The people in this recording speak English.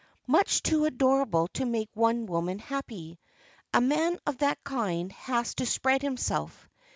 "Much too adorable to make one woman happy. A man of that kind has to spread himself.